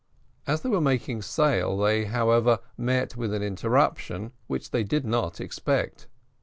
As they were making sail they, however, met with an interruption which they did not expect.